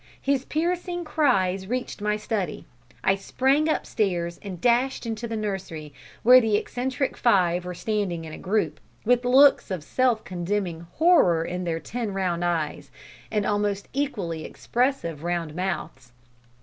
His piercing cries reached my study. I sprang up stairs and dashed into the nursery, where the eccentric five were standing in a group, with looks of self condemning horror in their ten round eyes, and almost equally expressive round mouths.